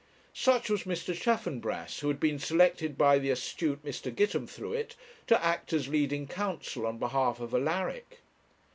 Such was Mr. Chaffanbrass, who had been selected by the astute Mr. Gitemthruet to act as leading counsel on behalf of Alaric.